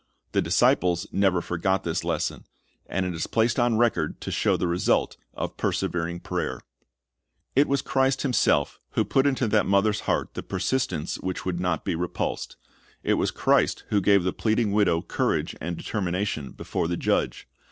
The disciples never forgot this lesson, and it is placed on record to show the result of persevering prayer. It was Christ Himself who put into that mother's heart the persistence which would not be repulsed. It was Christ who gave the pleading widow courage and determination before the judge.